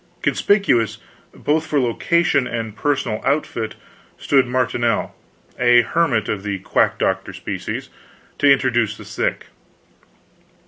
Conspicuous, both for location and personal outfit, stood Marinel, a hermit of the quack doctor species, to introduce the sick.